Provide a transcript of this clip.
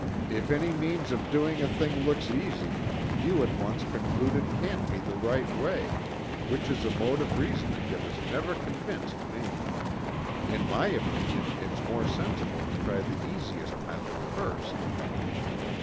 If any means of doing a thing looks easy, you at once conclude it can't be the right way, which is a mode of reasoning that has never convinced me. In my opinion, it's more sensible to try the easiest method first."